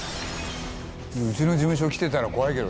「うちの事務所来てたら怖いけどな」